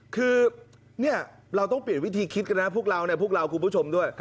คือเนี่ยเราต้องเปลี่ยนวิธีคิดกันนะพวกเราเนี่ยพวกเราคุณผู้ชมด้วย